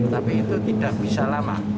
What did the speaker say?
tapi itu tidak bisa lama